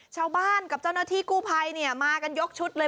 เจ้าบ้านกับเจ้าหน้าที่กู้ไพรมากันยกชุดเลย